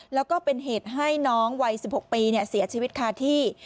แล้วก็เป็นเหตุให้น้องวัย๑๖ปีเสียชีวิตคาที่